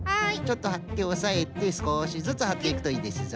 ちょっとはっておさえてすこしずつはっていくといいですぞ。